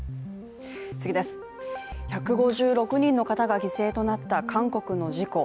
１５６人の方が犠牲となった、韓国の事故。